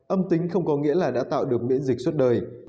âm tính không có nghĩa là đã tạo được miễn dịch suốt đời